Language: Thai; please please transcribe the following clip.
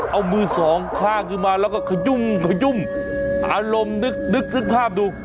เอามือสองข้างขึ้นมาแล้วก็ขยุ่มขยุ่มอารมณ์นึกนึกภาพดู